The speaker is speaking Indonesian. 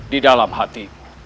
di dalam hatimu